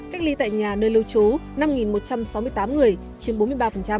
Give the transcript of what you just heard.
cách ly tại nhà nơi lưu trú năm một trăm sáu mươi tám người chiếm bốn mươi ba